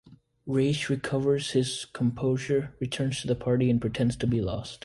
Reich recovers his composure, returns to the party and pretends to be lost.